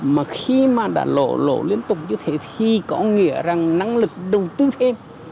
mà khi mà đã lỗ lỗ liên tục như thế thì có nghĩa rằng năng lực đầu tư thêm